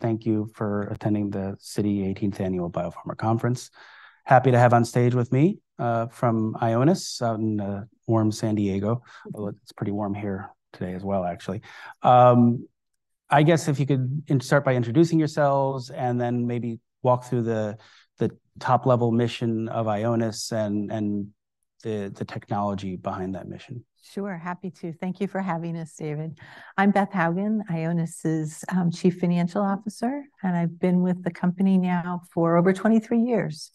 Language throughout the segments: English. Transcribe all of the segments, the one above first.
Thank you for attending the Citi Eighteenth Annual Biopharma Conference. Happy to have on stage with me from Ionis, out in warm San Diego. Although, it's pretty warm here today as well, actually. I guess if you could start by introducing yourselves, and then maybe walk through the top-level mission of Ionis and the technology behind that mission. Sure, happy to. Thank you for having us, David. I'm Beth Hougen, Ionis's Chief Financial Officer, and I've been with the company now for over 23 years.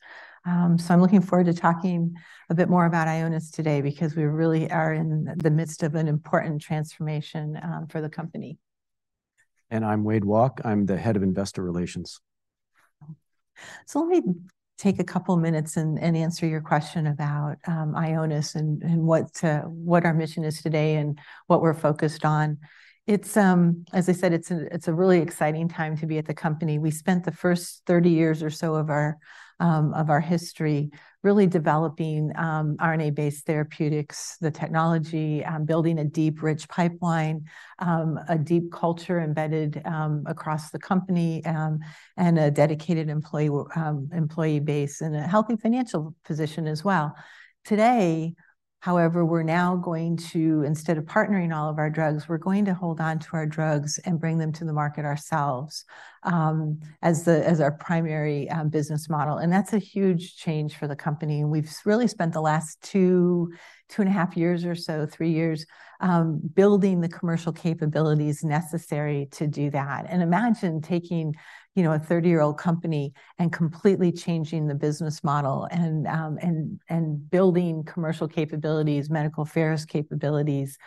I'm looking forward to talking a bit more about Ionis today, because we really are in the midst of an important transformation for the company. I'm Wade Walke. I'm the head of investor relations. So let me take a couple minutes and answer your question about Ionis, and what our mission is today and what we're focused on. It's as I said, it's a really exciting time to be at the company. We spent the first 30 years or so of our history really developing RNA-based therapeutics, the technology, building a deep, rich pipeline, a deep culture embedded across the company, and a dedicated employee base, and a healthy financial position as well. Today, however, we're now going to, instead of partnering all of our drugs, we're going to hold on to our drugs and bring them to the market ourselves, as our primary business model, and that's a huge change for the company. We've really spent the last 2, 2.5 years or so, 3 years, building the commercial capabilities necessary to do that. Imagine taking, you know, a 30-year-old company and completely changing the business model, and, and building commercial capabilities, medical affairs capabilities,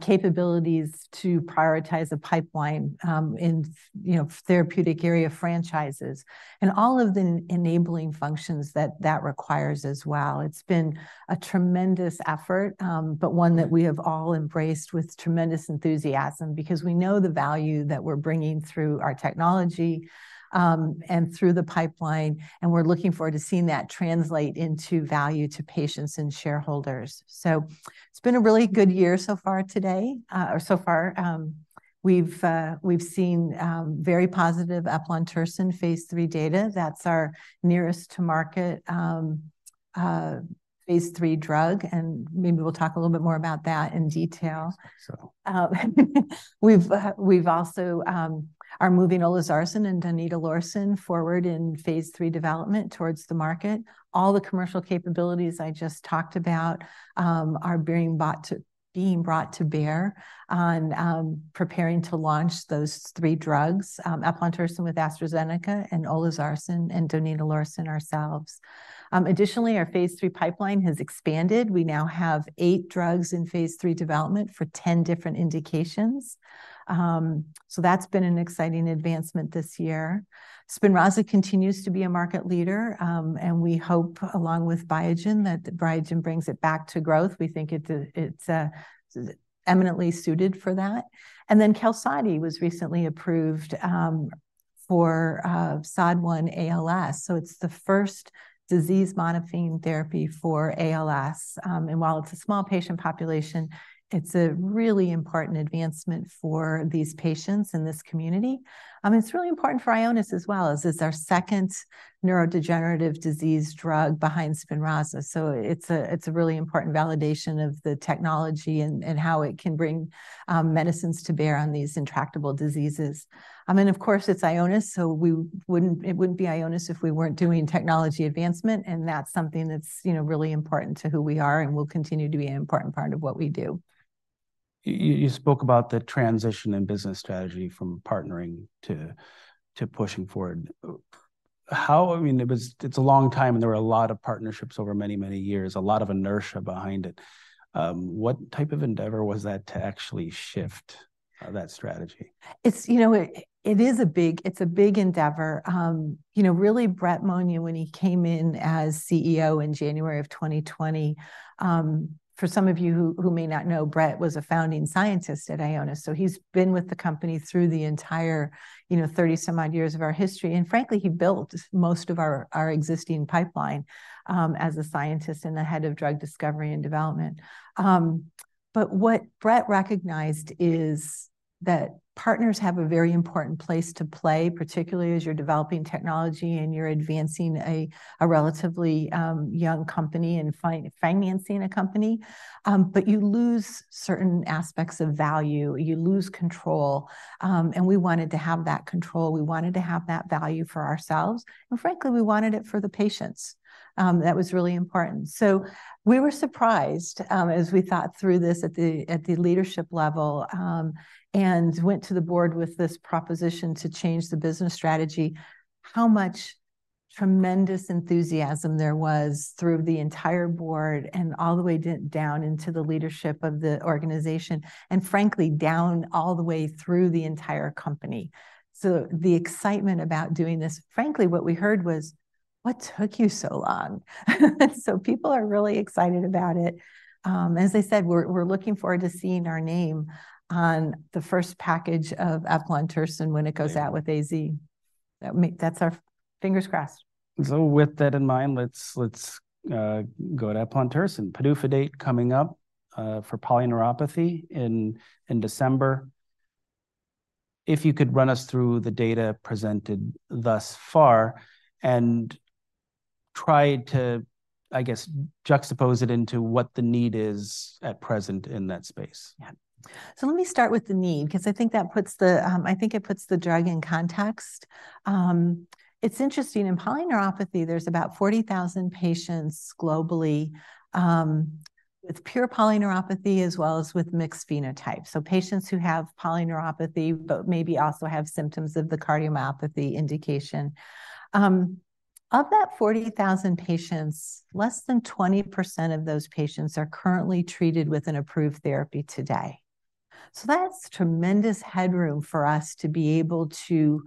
capabilities to prioritize a pipeline, in, you know, therapeutic area franchises, and all of the enabling functions that that requires as well. It's been a tremendous effort, but one that we have all embraced with tremendous enthusiasm, because we know the value that we're bringing through our technology, and through the pipeline, and we're looking forward to seeing that translate into value to patients and shareholders. So it's been a really good year so far today, or so far. We've seen very positive eplontersen phase III data. That's our nearest-to-market, phase III drug, and maybe we'll talk a little bit more about that in detail. So- We've also moving olezarsen and donidalorsen forward in phase III development towards the market. All the commercial capabilities I just talked about are being brought to bear on preparing to launch those three drugs, eplontersen with AstraZeneca, and olezarsen and donidalorsen ourselves. Additionally, our phase III pipeline has expanded. We now have eight drugs in phase III development for ten different indications. So that's been an exciting advancement this year. SPINRAZA continues to be a market leader, and we hope, along with Biogen, that Biogen brings it back to growth. We think it's eminently suited for that. And then QALSODY was recently approved for SOD1-ALS, so it's the first disease-modifying therapy for ALS. And while it's a small patient population, it's a really important advancement for these patients and this community. It's really important for Ionis as well, as it's our second neurodegenerative disease drug behind SPINRAZA, so it's a really important validation of the technology and how it can bring medicines to bear on these intractable diseases. And then, of course, it's Ionis, so we wouldn't, it wouldn't be Ionis if we weren't doing technology advancement, and that's something that's, you know, really important to who we are and will continue to be an important part of what we do. You spoke about the transition in business strategy from partnering to pushing forward. How... I mean, it's a long time, and there were a lot of partnerships over many, many years, a lot of inertia behind it. What type of endeavor was that to actually shift that strategy? It's, you know, it is a big endeavor. You know, really, Brett Monia, when he came in as CEO in January of 2020— For some of you who may not know, Brett was a founding scientist at Ionis, so he's been with the company through the entire, you know, thirty-some-odd years of our history, and frankly, he built most of our existing pipeline as a scientist and the head of drug discovery and development. But what Brett recognized is that partners have a very important place to play, particularly as you're developing technology and you're advancing a relatively young company and financing a company, but you lose certain aspects of value, you lose control, and we wanted to have that control, we wanted to have that value for ourselves, and frankly, we wanted it for the patients. That was really important. So we were surprised, as we thought through this at the leadership level, and went to the board with this proposition to change the business strategy, how much tremendous enthusiasm there was through the entire board and all the way down into the leadership of the organization, and frankly, down all the way through the entire company. So the excitement about doing this... Frankly, what we heard was, "What took you so long?" So people are really excited about it. As I said, we're looking forward to seeing our name on the first package of eplontersen when it goes out with AZ... That's our fingers crossed. So with that in mind, let's go to eplontersen and PDUFA date coming up for polyneuropathy in December. If you could run us through the data presented thus far, and try to, I guess, juxtapose it into what the need is at present in that space. Yeah. So let me start with the need, because I think that puts the drug in context. It's interesting, in polyneuropathy, there's about 40,000 patients globally, with pure polyneuropathy as well as with mixed phenotypes. So patients who have polyneuropathy, but maybe also have symptoms of the cardiomyopathy indication. Of that 40,000 patients, less than 20% of those patients are currently treated with an approved therapy today. So that's tremendous headroom for us to be able to,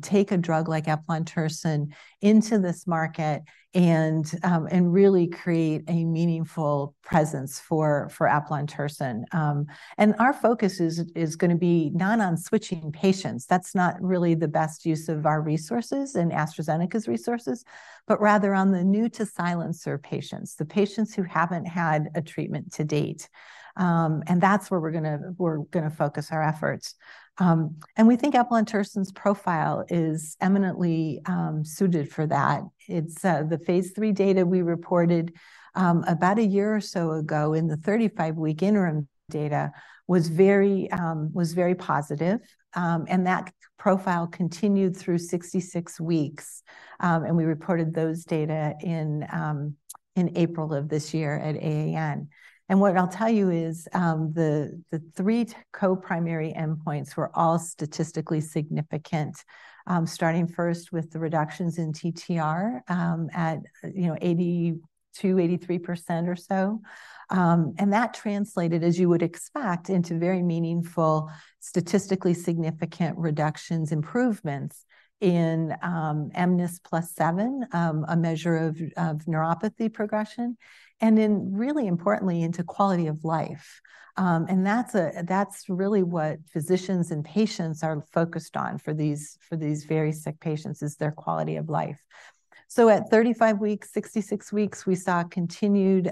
take a drug like eplontersen into this market and, and really create a meaningful presence for, for eplontersen. And our focus is gonna be not on switching patients. That's not really the best use of our resources and AstraZeneca's resources, but rather on the new to silencer patients, the patients who haven't had a treatment to date. That's where we're gonna focus our efforts. We think eplontersen's profile is eminently suited for that. The phase III data we reported about a year or so ago in the 35-week interim data was very positive, and that profile continued through 66 weeks. We reported those data in April of this year at AAN. What I'll tell you is, the three co-primary endpoints were all statistically significant, starting first with the reductions in TTR at, you know, 82%, 83% or so. That translated, as you would expect, into very meaningful, statistically significant reductions, improvements in mNIS+7, a measure of neuropathy progression, and then really importantly, into quality of life. And that's really what physicians and patients are focused on for these, for these very sick patients, is their quality of life. So at 35 weeks, 66 weeks, we saw continued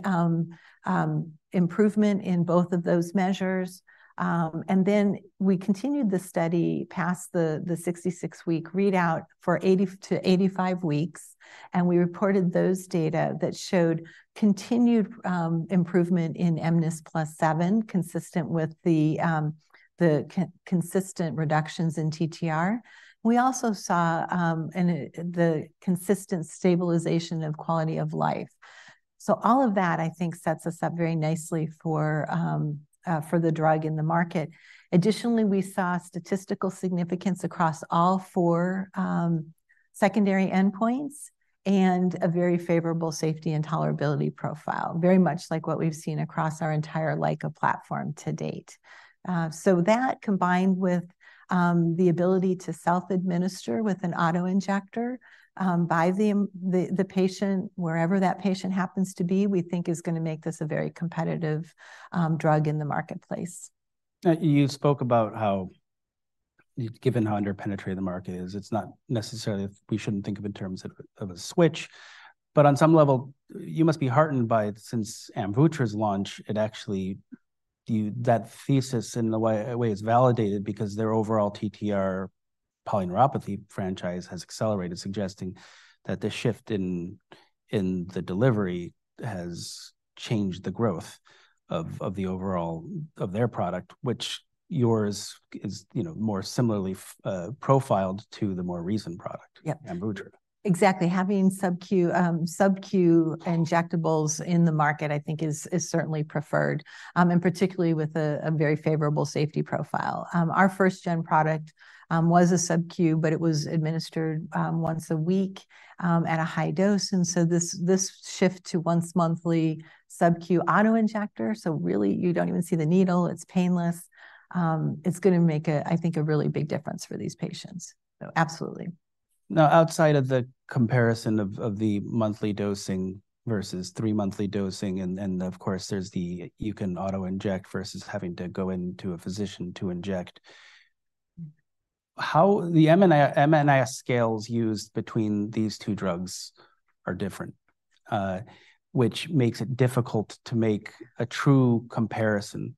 improvement in both of those measures. And then we continued the study past the 66-week readout for 80-85 weeks, and we reported those data that showed continued improvement in mNIS+7, consistent with the consistent reductions in TTR. We also saw and the consistent stabilization of quality of life. So all of that, I think, sets us up very nicely for the drug in the market. Additionally, we saw statistical significance across all four secondary endpoints, and a very favorable safety and tolerability profile, very much like what we've seen across our entire LICA platform to date. So that, combined with the ability to self-administer with an auto-injector by the patient, wherever that patient happens to be, we think is gonna make this a very competitive drug in the marketplace. You spoke about how, given how underpenetrated the market is, it's not necessarily we shouldn't think of in terms of, of a switch, but on some level, you must be heartened by it, since AMVUTTRA's launch, it actually, that thesis in a way, a way is validated because their overall TTR polyneuropathy franchise has accelerated, suggesting that the shift in, in the delivery has changed the growth of, of the overall, of their product, which yours is, you know, more similarly, profiled to the more recent product- Yeah. Amvuttra. Exactly. Having subq injectables in the market, I think, is certainly preferred, and particularly with a very favorable safety profile. Our first gen product was a subq, but it was administered once a week at a high dose. And so this shift to once monthly subq auto-injector, so really, you don't even see the needle. It's painless. It's gonna make, I think, a really big difference for these patients. So absolutely. Now, outside of the comparison of the monthly dosing versus three-monthly dosing, and of course, there's the you can auto-inject versus having to go into a physician to inject, how the mNIS scales used between these two drugs are different, which makes it difficult to make a true comparison.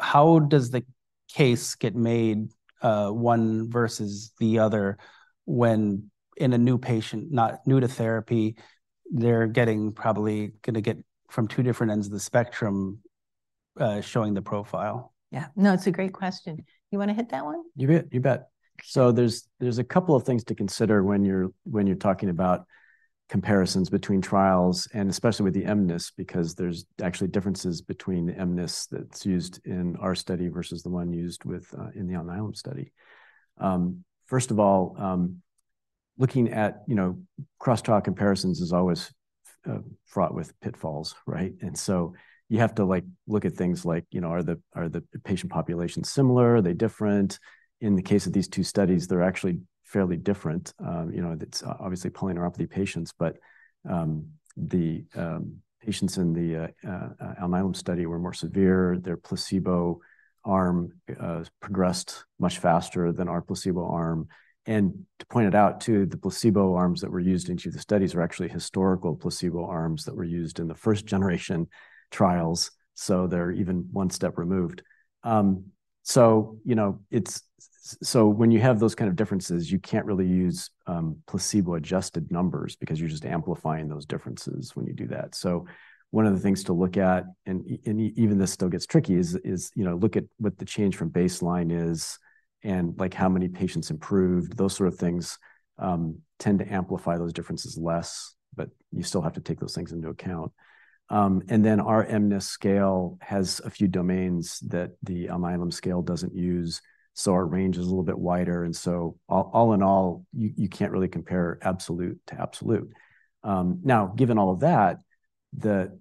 How does the case get made, one versus the other when in a new patient, not new to therapy, they're getting probably gonna get from two different ends of the spectrum, showing the profile? Yeah. No, it's a great question. You wanna hit that one? You bet, you bet. So there's a couple of things to consider when you're talking about comparisons between trials, and especially with the MNIS, because there's actually differences between the MNIS that's used in our study versus the one used in the Alnylam study. First of all, looking at, you know, cross-trial comparisons is always fraught with pitfalls, right? And so you have to like, look at things like, you know, are the patient populations similar? Are they different? In the case of these two studies, they're actually fairly different. You know, it's obviously polyneuropathy patients, but the patients in the Alnylam study were more severe. Their placebo arm progressed much faster than our placebo arm. To point it out, too, the placebo arms that were used in each of the studies are actually historical placebo arms that were used in the first-generation trials, so they're even one step removed. So, you know, it's so when you have those kind of differences, you can't really use placebo-adjusted numbers because you're just amplifying those differences when you do that. So one of the things to look at, and even this still gets tricky, is you know, look at what the change from baseline is and, like, how many patients improved. Those sort of things tend to amplify those differences less, but you still have to take those things into account. And then our mNIS+7 scale has a few domains that the mNIS scale doesn't use, so our range is a little bit wider, and so all in all, you can't really compare absolute to absolute. Now, given all of that, the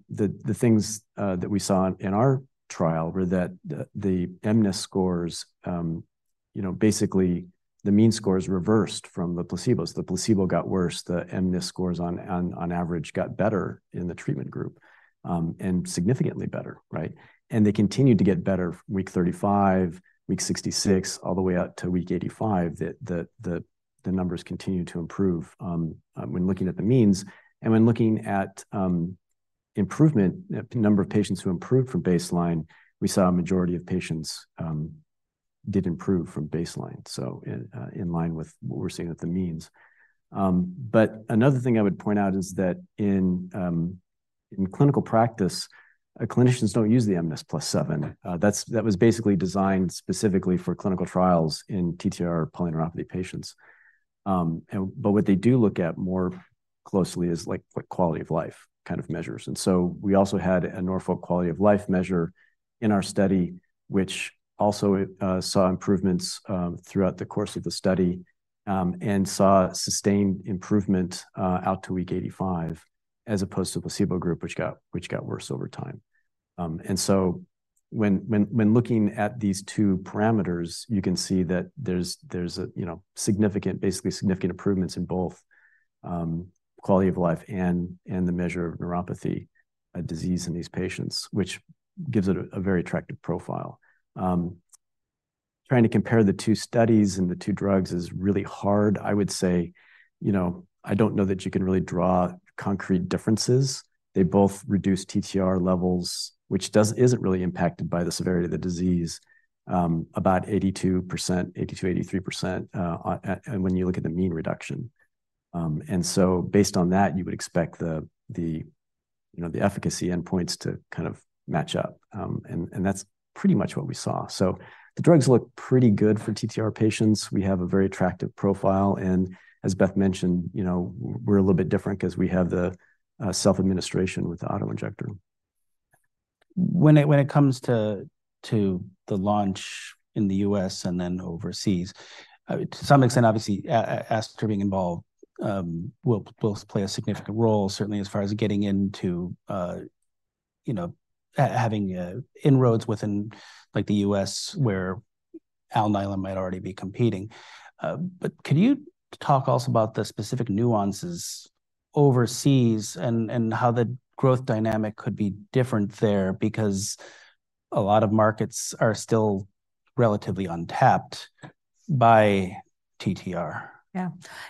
things that we saw in our trial were that the mNIS+7 scores, you know, basically, the mean scores reversed from the placebos. The placebo got worse, the mNIS+7 scores on average got better in the treatment group, and significantly better, right? And they continued to get better week 35, week 66, all the way out to week 85, the numbers continued to improve when looking at the means. When looking at improvement, number of patients who improved from baseline, we saw a majority of patients did improve from baseline, so in line with what we're seeing with the means. But another thing I would point out is that in clinical practice, clinicians don't use the mNIS+7. That was basically designed specifically for clinical trials in TTR polyneuropathy patients. But what they do look at more closely is, like, quality of life kind of measures. And so we also had a Norfolk Quality of Life measure in our study, which also saw improvements throughout the course of the study and saw sustained improvement out to week 85, as opposed to the placebo group, which got worse over time. And so when looking at these two parameters, you can see that there's a, you know, significant, basically significant improvements in both quality of life and the measure of neuropathy disease in these patients, which gives it a very attractive profile. Trying to compare the two studies and the two drugs is really hard. I would say, you know, I don't know that you can really draw concrete differences. They both reduce TTR levels, which isn't really impacted by the severity of the disease, about 82%, 82, 83%, and when you look at the mean reduction. And so based on that, you would expect the, the, you know, the efficacy endpoints to kind of match up, and that's pretty much what we saw. So the drugs look pretty good for TTR patients. We have a very attractive profile, and as Beth mentioned, you know, we're a little bit different 'cause we have the self-administration with the auto-injector. When it comes to the launch in the U.S. and then overseas, to some extent, obviously, Astra being involved, will play a significant role, certainly as far as getting into, you know, having inroads within, like, the U.S., where Alnylam might already be competing. But can you talk also about the specific nuances overseas and how the growth dynamic could be different there? Because a lot of markets are still relatively untapped by TTR. Yeah.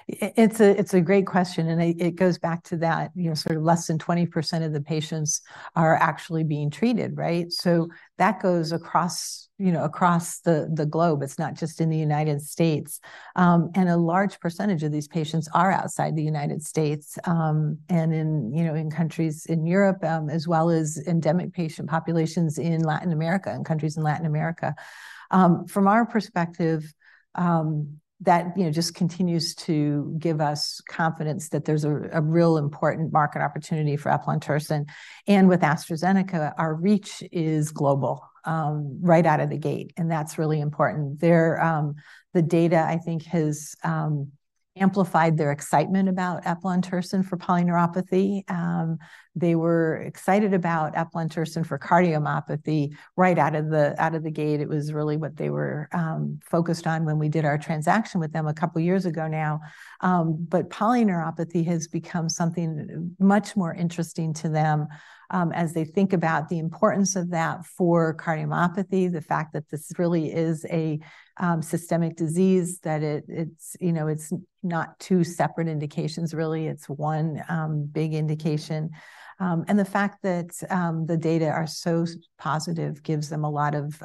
It's a great question, and it goes back to that, you know, sort of less than 20% of the patients are actually being treated, right? So that goes across, you know, across the globe. It's not just in the United States. And a large percentage of these patients are outside the United States, and in countries in Europe, as well as endemic patient populations in Latin America - in countries in Latin America. From our perspective, that just continues to give us confidence that there's a real important market opportunity for eplontersen. And with AstraZeneca, our reach is global, right out of the gate, and that's really important. Their... The data, I think, has amplified their excitement about eplontersen for polyneuropathy. They were excited about eplontersen for cardiomyopathy right out of the gate. It was really what they were focused on when we did our transaction with them a couple of years ago now. But polyneuropathy has become something much more interesting to them as they think about the importance of that for cardiomyopathy, the fact that this really is a systemic disease, that it, it's, you know, it's not two separate indications really, it's one big indication. And the fact that the data are so positive gives them a lot of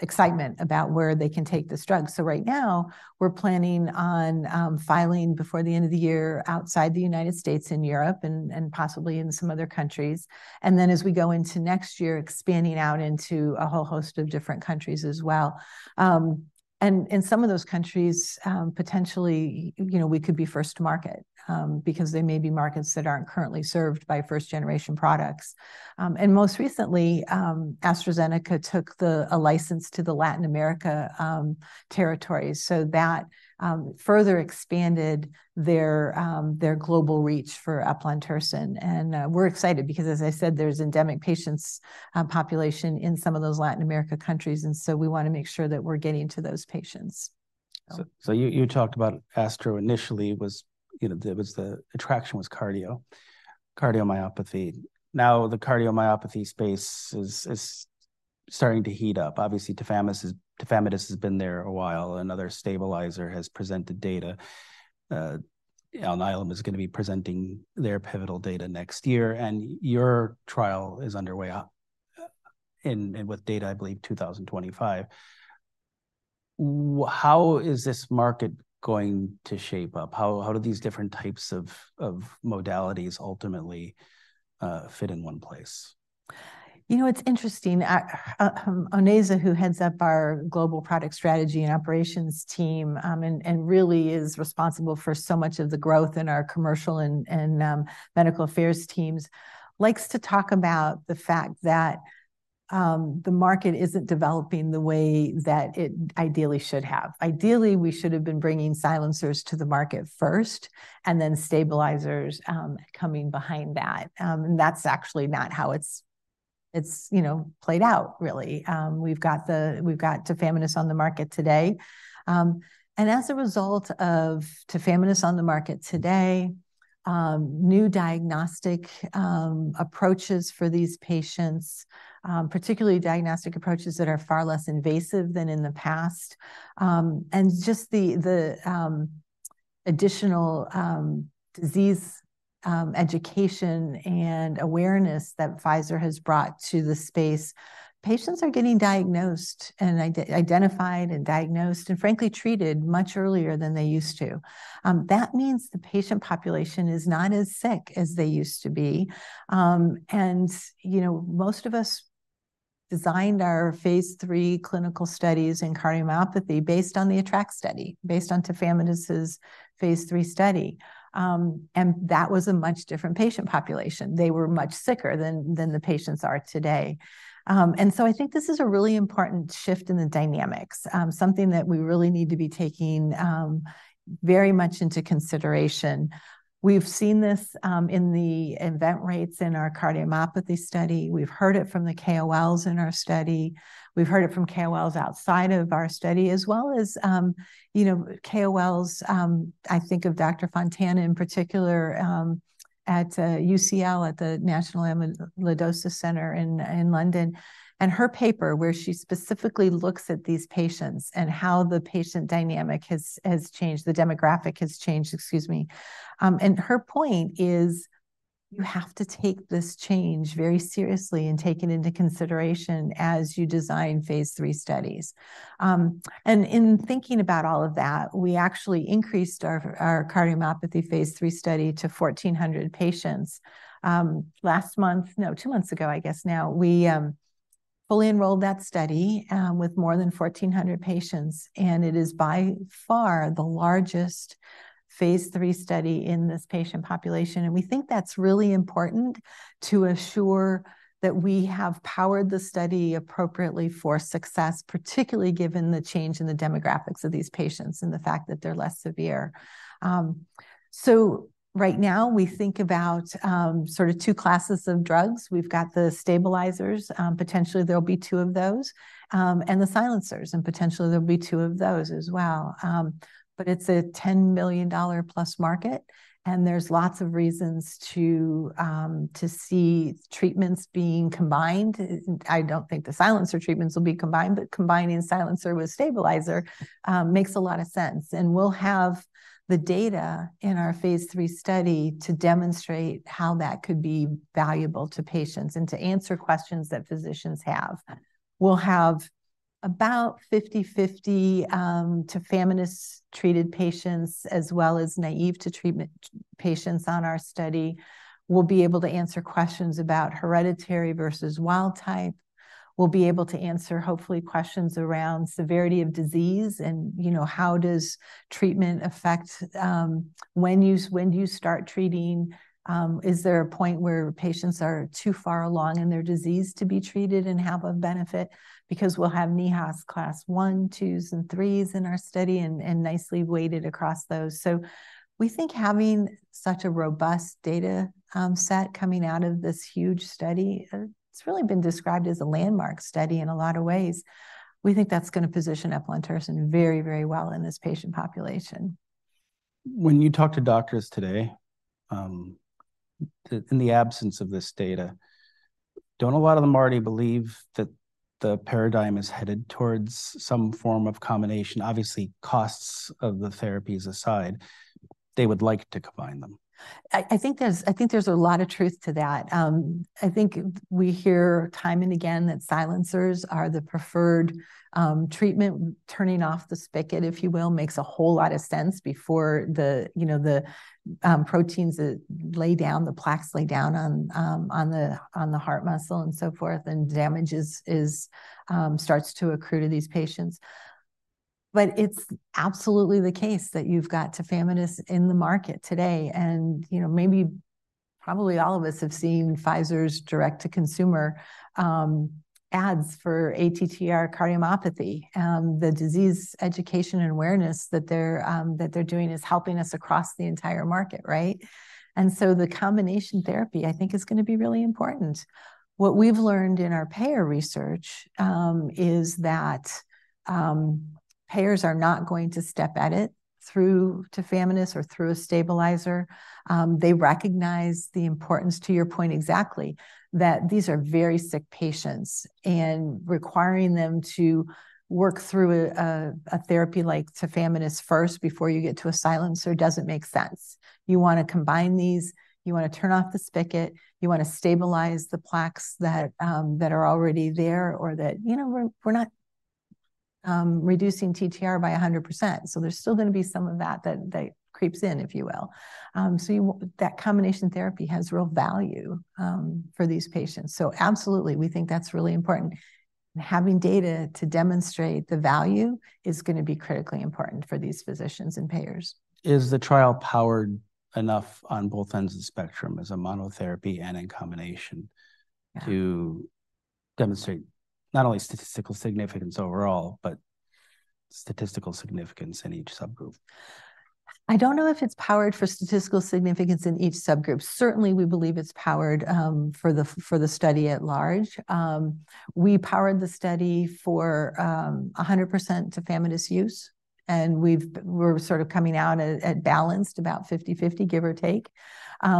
excitement about where they can take this drug. So right now, we're planning on filing before the end of the year outside the United States and Europe, and possibly in some other countries, and then, as we go into next year, expanding out into a whole host of different countries as well. And in some of those countries, potentially, you know, we could be first to market, because they may be markets that aren't currently served by first-generation products. And most recently, AstraZeneca took a license to the Latin America territories, so that further expanded their global reach for eplontersen. And we're excited because, as I said, there's endemic patients population in some of those Latin America countries, and so we wanna make sure that we're getting to those patients. So you talked about Astra initially was, you know, there was the attraction was cardio, cardiomyopathy. Now, the cardiomyopathy space is starting to heat up. Obviously, Tafamidis has been there a while. Another stabilizer has presented data. Alnylam is going to be presenting their pivotal data next year, and your trial is underway, and with data, I believe, 2025. How is this market going to shape up? How do these different types of modalities ultimately fit in one place? You know, it's interesting. Onaiza, who heads up our global product strategy and operations team, and really is responsible for so much of the growth in our commercial and medical affairs teams, likes to talk about the fact that the market isn't developing the way that it ideally should have. Ideally, we should have been bringing silencers to the market first, and then stabilizers coming behind that. And that's actually not how it's, you know, played out really. We've got tafamidis on the market today. And as a result of tafamidis on the market today, new diagnostic approaches for these patients, particularly diagnostic approaches that are far less invasive than in the past. And just the additional disease education and awareness that Pfizer has brought to the space, patients are getting diagnosed and identified and diagnosed, and frankly, treated much earlier than they used to. That means the patient population is not as sick as they used to be. And, you know, most of us designed our phase III clinical studies in cardiomyopathy based on the ATTRACT study, based on tafamidis phase III study. And that was a much different patient population. They were much sicker than the patients are today. And so I think this is a really important shift in the dynamics, something that we really need to be taking very much into consideration. We've seen this in the event rates in our cardiomyopathy study. We've heard it from the KOLs in our study. We've heard it from KOLs outside of our study, as well as you know, KOLs. I think of Dr. Fontana, in particular, at UCL, at the National Amyloidosis Centre in London, and her paper, where she specifically looks at these patients and how the patient dynamic has changed, the demographic has changed, excuse me. And her point is, you have to take this change very seriously and take it into consideration as you design phase III studies. And in thinking about all of that, we actually increased our cardiomyopathy phase III study to 1,400 patients. Last month, no, two months ago, I guess now, we fully enrolled that study with more than 1,400 patients, and it is by far the largest phase III study in this patient population. We think that's really important to assure that we have powered the study appropriately for success, particularly given the change in the demographics of these patients and the fact that they're less severe. So right now, we think about sort of two classes of drugs. We've got the stabilizers, potentially there'll be two of those, and the silencers, and potentially there'll be two of those as well. But it's a $10 million-plus market, and there's lots of reasons to see treatments being combined. I don't think the silencer treatments will be combined, but combining silencer with stabilizer makes a lot of sense, and we'll have the data in our phase III study to demonstrate how that could be valuable to patients and to answer questions that physicians have. We'll have about 50/50, tafamidis-treated patients, as well as naive to treatment patients on our study. We'll be able to answer questions about hereditary versus wild type. We'll be able to answer, hopefully, questions around severity of disease and, you know, how does treatment affect, when you, when do you start treating? Is there a point where patients are too far along in their disease to be treated and have a benefit? Because we'll have NYHA Class one, twos, and threes in our study, and nicely weighted across those. So we think having such a robust data set coming out of this huge study, it's really been described as a landmark study in a lot of ways. We think that's gonna position eplontersen very, very well in this patient population. When you talk to doctors today, in the absence of this data, don't a lot of them already believe that the paradigm is headed towards some form of combination? Obviously, costs of the therapies aside, they would like to combine them. I think there's a lot of truth to that. I think we hear time and again that silencers are the preferred treatment. Turning off the spigot, if you will, makes a whole lot of sense before the, you know, the proteins that lay down, the plaques lay down on, on the heart muscle and so forth, and damage is starts to accrue to these patients. But it's absolutely the case that you've got tafamidis in the market today, and, you know, maybe probably all of us have seen Pfizer's direct-to-consumer ads for ATTR cardiomyopathy. The disease education and awareness that they're doing is helping us across the entire market, right? And so the combination therapy, I think, is gonna be really important. What we've learned in our payer research is that payers are not going to step at it through tafamidis or through a stabilizer. They recognize the importance, to your point exactly, that these are very sick patients, and requiring them to work through a therapy like tafamidis first before you get to a silencer doesn't make sense. You wanna combine these, you wanna turn off the spigot, you wanna stabilize the plaques that are already there, or that, you know, we're not reducing TTR by 100%, so there's still gonna be some of that that creeps in, if you will. So that combination therapy has real value for these patients. So absolutely, we think that's really important. Having data to demonstrate the value is gonna be critically important for these physicians and payers. Is the trial powered enough on both ends of the spectrum as a monotherapy and in combination? Yeah... to demonstrate not only statistical significance overall, but statistical significance in each subgroup? I don't know if it's powered for statistical significance in each subgroup. Certainly, we believe it's powered for the study at large. We powered the study for 100% tafamidis use, and we're sort of coming out at balanced, about 50/50, give or take.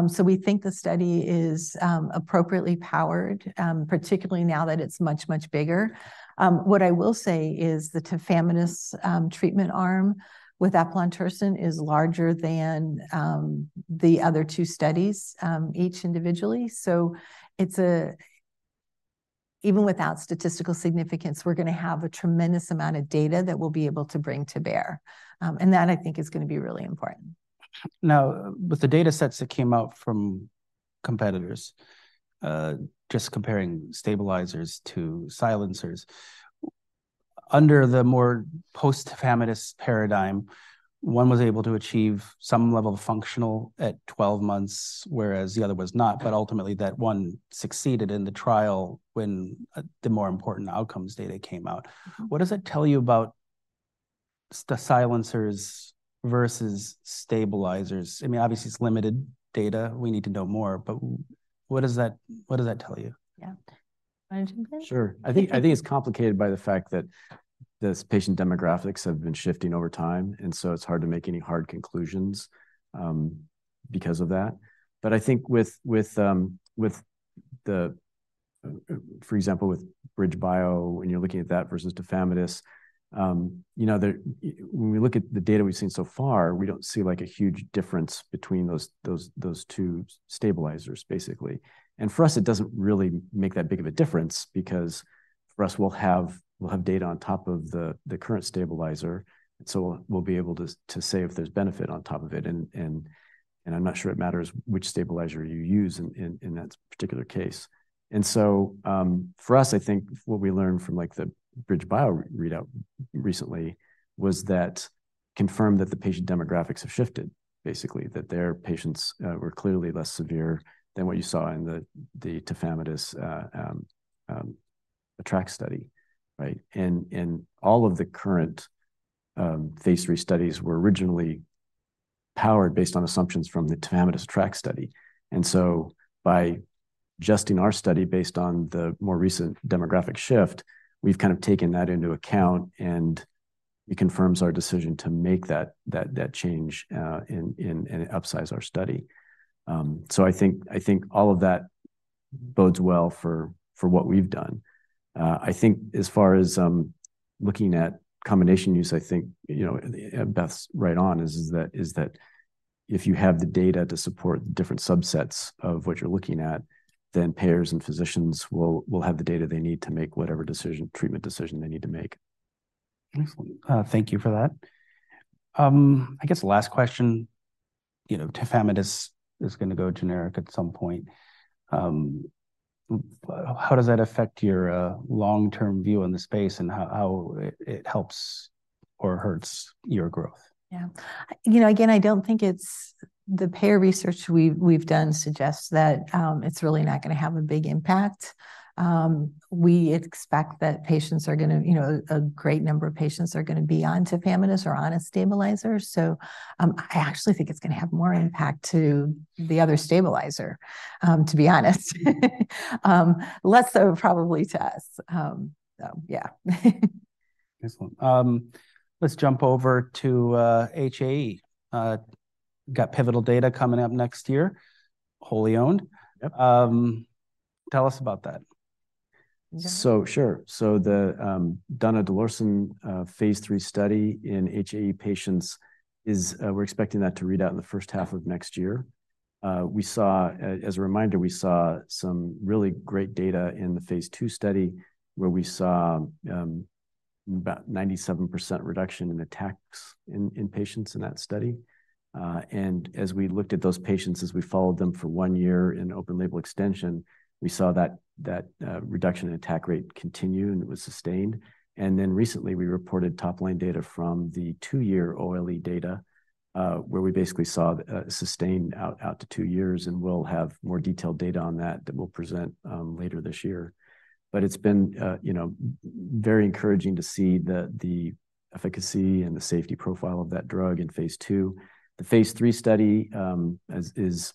So we think the study is appropriately powered, particularly now that it's much bigger. What I will say is the tafamidis treatment arm with eplontersen is larger than the other two studies each individually. So it's even without statistical significance, we're gonna have a tremendous amount of data that we'll be able to bring to bear. And that, I think, is gonna be really important. Now, with the data sets that came out from competitors, just comparing stabilizers to silencers, under the more post-tafamidis paradigm, one was able to achieve some level of functional at 12 months, whereas the other was not. But ultimately, that one succeeded in the trial when, the more important outcomes data came out. What does that tell you about the silencers versus stabilizers? I mean, obviously, it's limited data. We need to know more, but what does that, what does that tell you? Yeah. You want to take this? Sure. I think it's complicated by the fact that the patient demographics have been shifting over time, and so it's hard to make any hard conclusions because of that. But I think with, for example, with BridgeBio, when you're looking at that versus tafamidis, you know, when we look at the data we've seen so far, we don't see, like, a huge difference between those two stabilizers, basically. And for us, it doesn't really make that big of a difference because for us, we'll have data on top of the current stabilizer, so we'll be able to say if there's benefit on top of it. And I'm not sure it matters which stabilizer you use in that particular case. And so, for us, I think what we learned from, like, the BridgeBio readout recently was that confirmed that the patient demographics have shifted, basically, that their patients were clearly less severe than what you saw in the, the tafamidis ATTRACT study, right? And all of the current phase III studies were originally powered based on assumptions from the tafamidis ATTRACT study. And so by adjusting our study based on the more recent demographic shift, we've kind of taken that into account, and it confirms our decision to make that change and upsize our study. So I think all of that bodes well for what we've done. I think as far as looking at combination use, I think, you know, Beth's right on, is that if you have the data to support different subsets of what you're looking at, then payers and physicians will have the data they need to make whatever treatment decision they need to make. Excellent. Thank you for that. I guess last question: you know, tafamidis is gonna go generic at some point. How does that affect your long-term view on the space, and how it helps or hurts your growth? Yeah. You know, again, I don't think it's, the payer research we've done suggests that it's really not gonna have a big impact. We expect that patients are gonna, you know, a great number of patients are gonna be on tafamidis or on a stabilizer, so I actually think it's gonna have more impact to the other stabilizer, to be honest. Less so probably to us. So yeah. Excellent. Let's jump over to HAE. Got pivotal data coming up next year, wholly owned. Yep. Tell us about that. So sure. So the donidalorsen phase III study in HAE patients is. We're expecting that to read out in the first half of next year. We saw, as a reminder, we saw some really great data in the phase II study, where we saw about 97% reduction in attacks in patients in that study. And as we looked at those patients, as we followed them for one year in open-label extension, we saw that reduction in attack rate continue, and it was sustained. And then recently, we reported top-line data from the two-year OLE data, where we basically saw sustained out to two years, and we'll have more detailed data on that we'll present later this year. But it's been, you know, very encouraging to see the efficacy and the safety profile of that drug in phase II. The phase III study is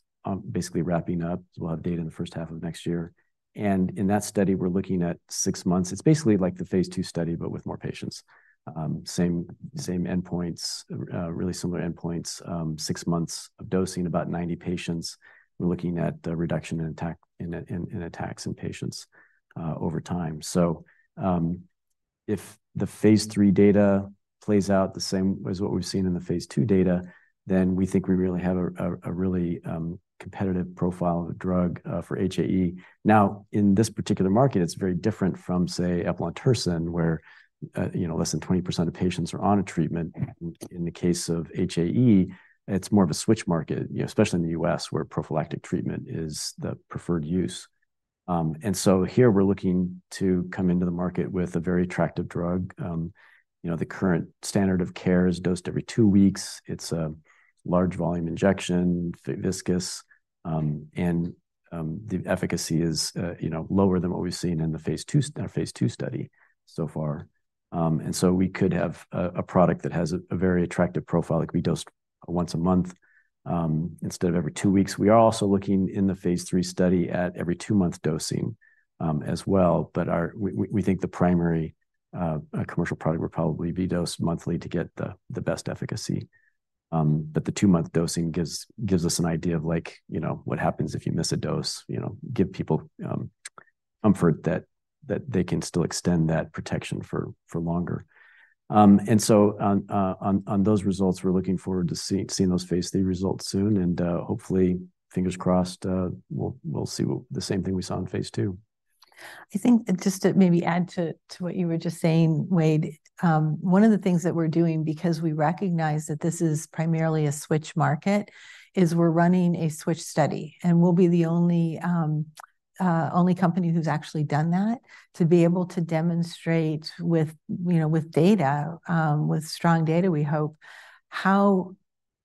basically wrapping up, so we'll have data in the first half of next year. And in that study, we're looking at 6 months. It's basically like the phase II study, but with more patients. Same endpoints, really similar endpoints, 6 months of dosing, about 90 patients. We're looking at the reduction in attacks in patients over time. So, if the phase III data plays out the same as what we've seen in the phase II data, then we think we really have a really competitive profile of drug for HAE. Now, in this particular market, it's very different from, say, eplontersen, where, you know, less than 20% of patients are on a treatment. In the case of HAE, it's more of a switch market, you know, especially in the U.S., where prophylactic treatment is the preferred use. And so here we're looking to come into the market with a very attractive drug. You know, the current standard of care is dosed every two weeks. It's a large volume injection, viscous, and the efficacy is, you know, lower than what we've seen in the phase II, in our phase II study so far. And so we could have a product that has a very attractive profile, that could be dosed once a month, instead of every two weeks. We are also looking in the phase III study at every two-month dosing, as well, but we think the primary commercial product will probably be dosed monthly to get the best efficacy. But the two-month dosing gives us an idea of, like, you know, what happens if you miss a dose, you know, give people comfort that they can still extend that protection for longer. And so, on those results, we're looking forward to seeing those phase III results soon, and hopefully, fingers crossed, we'll see the same thing we saw in phase II. I think just to maybe add to what you were just saying, Wade, one of the things that we're doing, because we recognize that this is primarily a switch market, is we're running a switch study, and we'll be the only company who's actually done that, to be able to demonstrate with, you know, with data, with strong data, we hope, how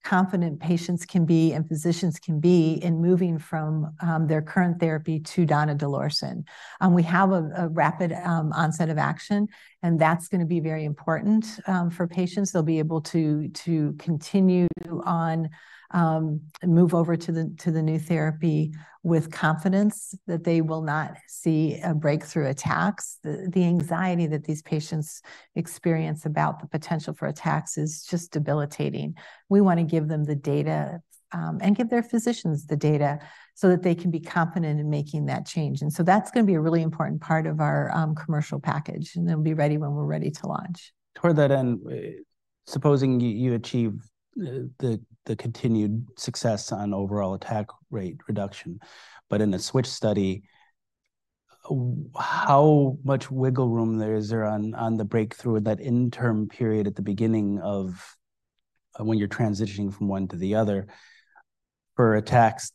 confident patients can be and physicians can be in moving from their current therapy to donidalorsen. And we have a rapid onset of action, and that's gonna be very important for patients. They'll be able to continue on and move over to the new therapy with confidence that they will not see a breakthrough attacks. The anxiety that these patients experience about the potential for attacks is just debilitating. We want to give them the data, and give their physicians the data, so that they can be confident in making that change. And so that's gonna be a really important part of our commercial package, and it'll be ready when we're ready to launch. Toward that end, supposing you achieve the continued success on overall attack rate reduction, but in a switch study, how much wiggle room there is there on the breakthrough of that interim period at the beginning of when you're transitioning from one to the other, for attacks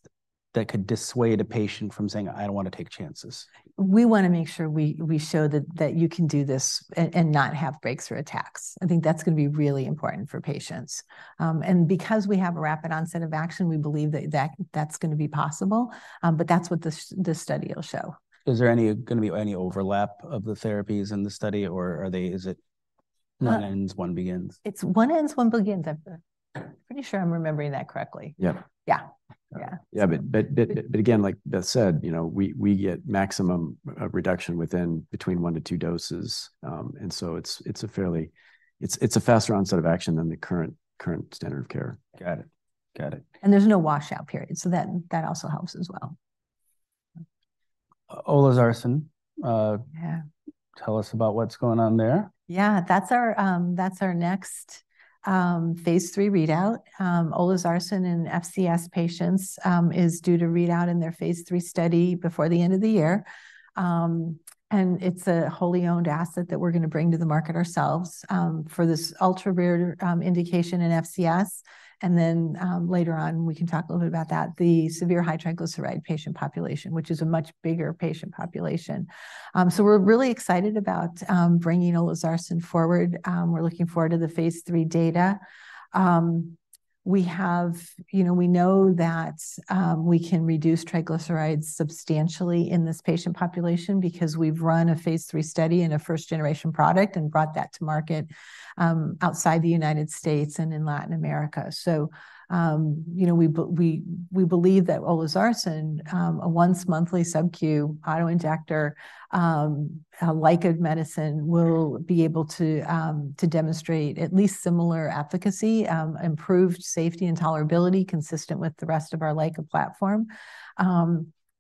that could dissuade a patient from saying, I don't wanna take chances? We wanna make sure we show that you can do this and not have breakthrough attacks. I think that's gonna be really important for patients. And because we have a rapid onset of action, we believe that that's gonna be possible, but that's what this study will show. Is there gonna be any overlap of the therapies in the study, or are they, is it? One- One ends, one begins? It's one ends, one begins. I'm pretty sure I'm remembering that correctly. Yeah. Yeah. Yeah. Yeah, but again, like Beth said, you know, we get maximum reduction within 1-2 doses. And so it's a faster onset of action than the current standard of care. Got it. Got it. There's no washout period, so that also helps as well. Uh- Olezarsen, uh- Yeah. Tell us about what's going on there? Yeah, that's our, that's our next phase III readout. Olezarsen in FCS patients is due to read out in their phase III study before the end of the year. And it's a wholly owned asset that we're gonna bring to the market ourselves for this ultra-rare indication in FCS. And then, later on, we can talk a little bit about that, the severe high triglyceride patient population, which is a much bigger patient population. So we're really excited about bringing olezarsen forward. We're looking forward to the phase III data. We have you know, we know that we can reduce triglycerides substantially in this patient population because we've run a phase III study in a first-generation product and brought that to market outside the United States and in Latin America. So, you know, we believe that olezarsen, a once-monthly subcu auto-injector, a LICA medicine, will be able to demonstrate at least similar efficacy, improved safety and tolerability, consistent with the rest of our LICA platform.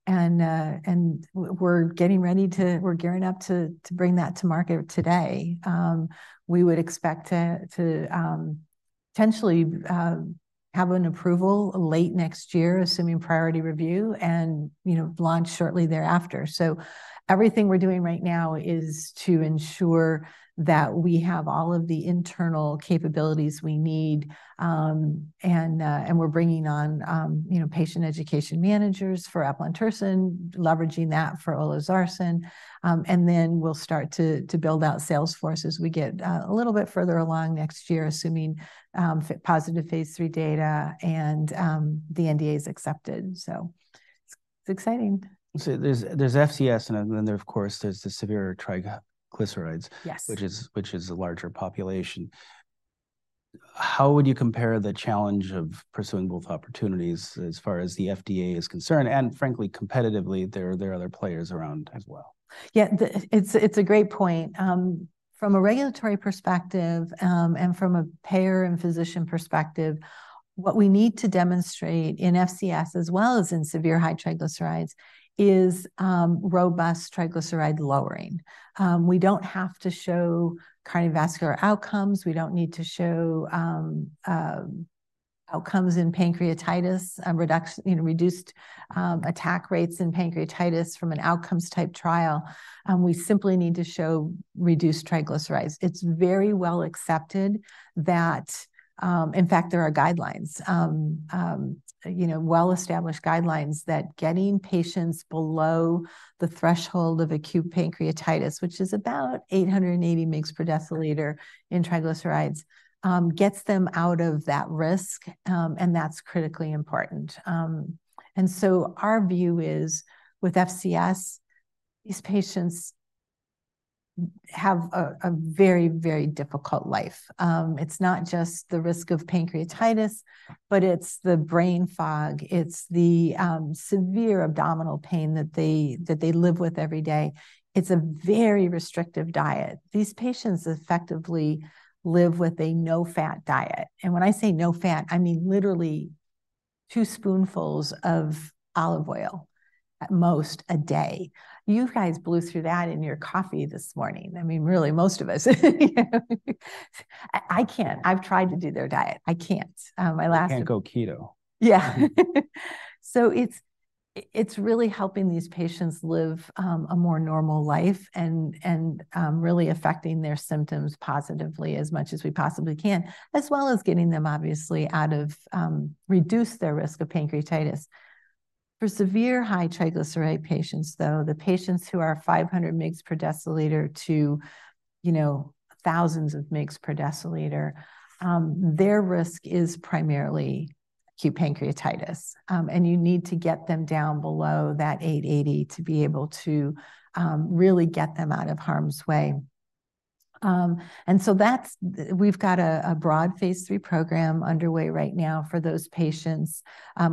And we're gearing up to bring that to market today. We would expect to potentially have an approval late next year, assuming priority review, and, you know, launch shortly thereafter. So everything we're doing right now is to ensure that we have all of the internal capabilities we need. We're bringing on, you know, patient education managers for eplontersen, leveraging that for olezarsen, and then we'll start to build out sales force as we get a little bit further along next year, assuming FDA-positive phase III data, and the NDA is accepted. So it's exciting. So there's FCS, and then, of course, there's the severe triglycerides. Yes... which is, which is a larger population. How would you compare the challenge of pursuing both opportunities as far as the FDA is concerned, and frankly, competitively, there, there are other players around as well? Yeah, it's a great point. From a regulatory perspective, and from a payer and physician perspective, what we need to demonstrate in FCS, as well as in severe high triglycerides, is robust triglyceride lowering. We don't have to show cardiovascular outcomes, we don't need to show outcomes in pancreatitis, reduction, you know, reduced attack rates in pancreatitis from an outcomes type trial, we simply need to show reduced triglycerides. It's very well accepted that... In fact, there are guidelines, you know, well-established guidelines that getting patients below the threshold of acute pancreatitis, which is about 880 mg per deciliter in triglycerides, gets them out of that risk, and that's critically important. And so our view is, with FCS, these patients have a very, very difficult life. It's not just the risk of pancreatitis, but it's the brain fog, it's the severe abdominal pain that they live with every day. It's a very restrictive diet. These patients effectively live with a no-fat diet, and when I say no fat, I mean literally two spoonfuls of olive oil at most a day. You guys blew through that in your coffee this morning. I mean, really, most of us. I can't. I've tried to do their diet. I can't. I lasted- You can't go keto. Yeah. So it's really helping these patients live a more normal life and really affecting their symptoms positively as much as we possibly can, as well as getting them obviously out of reduce their risk of pancreatitis. For severe high triglyceride patients, though, the patients who are 500 mg/dL to, you know, thousands of mg/dL, their risk is primarily acute pancreatitis. And you need to get them down below that 880 to be able to really get them out of harm's way. And so that's. We've got a broad phase III program underway right now for those patients,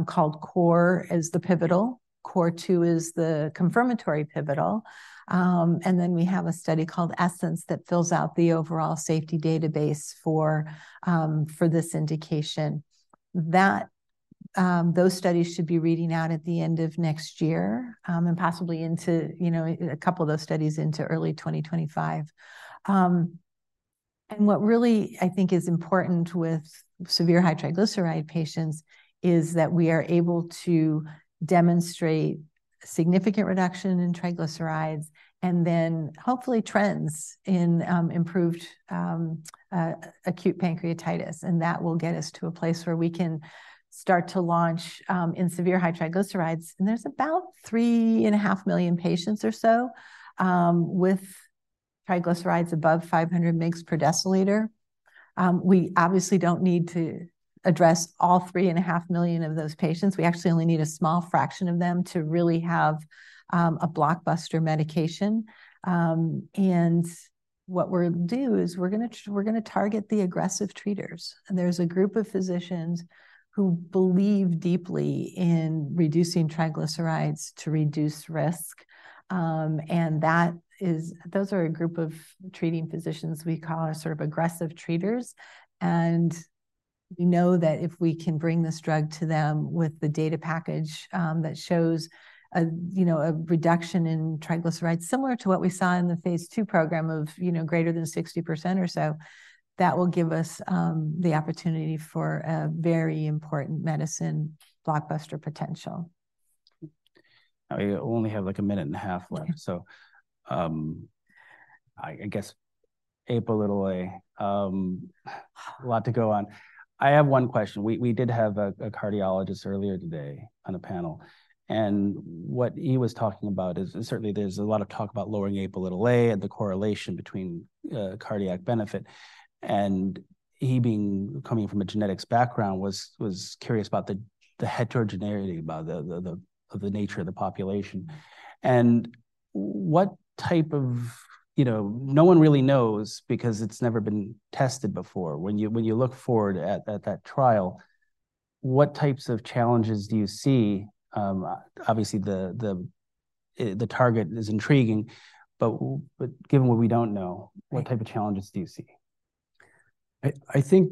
called CORE, is the pivotal. CORE 2 is the confirmatory pivotal. And then we have a study called ESSENCE that fills out the overall safety database for this indication. That, those studies should be reading out at the end of next year, and possibly into, you know, a couple of those studies into early 2025. And what really I think is important with severe high triglyceride patients is that we are able to demonstrate significant reduction in triglycerides and then hopefully trends in, improved acute pancreatitis, and that will get us to a place where we can start to launch, in severe high triglycerides. And there's about 3.5 million patients or so, with triglycerides above 500 mg per deciliter. We obviously don't need to address all 3.5 million of those patients. We actually only need a small fraction of them to really have, a blockbuster medication. And what we'll do is we're gonna target the aggressive treaters. There's a group of physicians who believe deeply in reducing triglycerides to reduce risk, and that is, those are a group of treating physicians we call our sort of aggressive treaters. And we know that if we can bring this drug to them with the data package, that shows a, you know, a reduction in triglycerides, similar to what we saw in the phase II program of, you know, greater than 60% or so, that will give us, the opportunity for a very important medicine, blockbuster potential. Now, we only have, like, a minute and a half left. So, I guess, Apo(a), a lot to go on. I have one question. We did have a cardiologist earlier today on a panel, and what he was talking about is—certainly, there's a lot of talk about lowering Apo(a) and the correlation between cardiac benefit. And he being—coming from a genetics background, was curious about the heterogeneity about the nature of the population. And what type of... You know, no one really knows because it's never been tested before. When you look forward at that trial, what types of challenges do you see? Obviously, the target is intriguing, but given what we don't know what type of challenges do you see? I think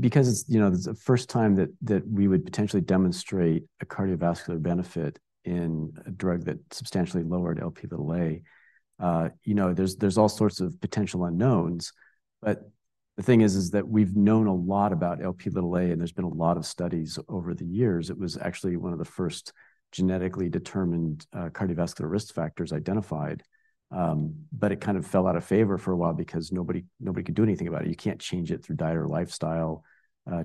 because it's, you know, the first time that we would potentially demonstrate a cardiovascular benefit in a drug that substantially lowered Lp(a), you know, there's all sorts of potential unknowns. But the thing is, is that we've known a lot about Lp(a), and there's been a lot of studies over the years. It was actually one of the first genetically determined cardiovascular risk factors identified. But it kind of fell out of favor for a while because nobody could do anything about it. You can't change it through diet or lifestyle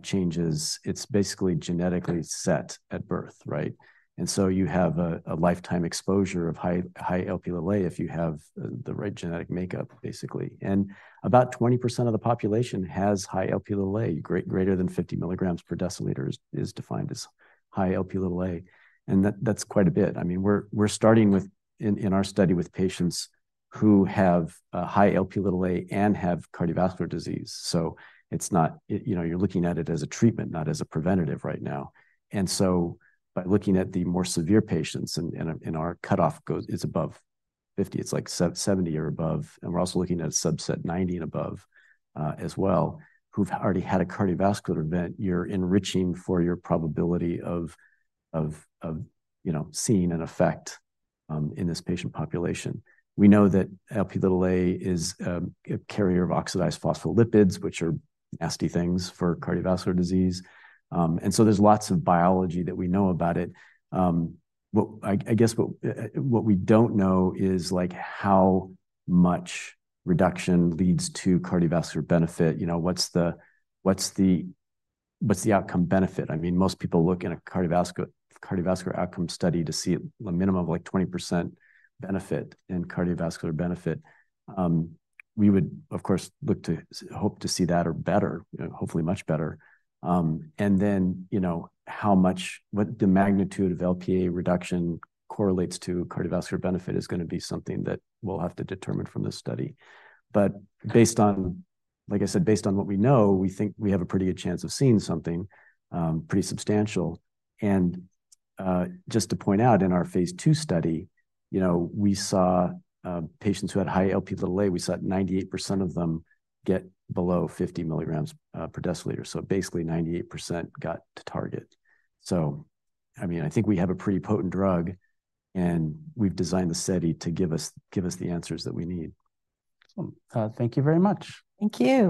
changes. It's basically genetically set at birth, right? And so you have a lifetime exposure of high Lp(a) if you have the right genetic makeup, basically. And about 20% of the population has high Lp(a). Greater than 50 milligrams per deciliter is defined as high Lp(a), and that's quite a bit. I mean, we're starting with, in our study, with patients who have high Lp(a) and have cardiovascular disease. So it's not... You know, you're looking at it as a treatment, not as a preventative right now. And so by looking at the more severe patients, and our cutoff goes, it's above 50, it's like 70 or above, and we're also looking at a subset 90 and above, as well, who've already had a cardiovascular event. You're enriching for your probability of, you know, seeing an effect in this patient population. We know that Lp(a) is a carrier of oxidized phospholipids, which are nasty things for cardiovascular disease. And so there's lots of biology that we know about it. But I guess what we don't know is, like, how much reduction leads to cardiovascular benefit. You know, what's the outcome benefit? I mean, most people look in a cardiovascular outcome study to see a minimum of, like, 20% benefit and cardiovascular benefit. We would, of course, look to hope to see that or better, you know, hopefully much better. And then, you know, what the magnitude of Lp reduction correlates to cardiovascular benefit is gonna be something that we'll have to determine from this study. But based on, like I said, based on what we know, we think we have a pretty good chance of seeing something pretty substantial. Just to point out, in our phase II study, you know, we saw patients who had high Lp(a), we saw that 98% of them get below 50 milligrams per deciliter. So basically, 98% got to target. So, I mean, I think we have a pretty potent drug, and we've designed the study to give us, give us the answers that we need. Thank you very much. Thank you.